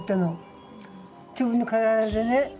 自分の体でね。